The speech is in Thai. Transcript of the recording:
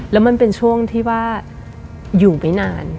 แล้วมันเป็นช่วงที่ว่าอยู่ไม่นาน